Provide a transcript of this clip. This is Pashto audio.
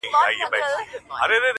چي ديـدنونه پــــه واوښـتل!